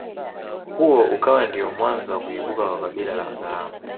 Huo ukawa ndiyo mwanzo wa kuibuka kwa kabila la Wazaramo